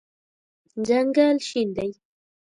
ځنګل شین دی